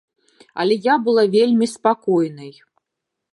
Але я была вельмі спакойнай.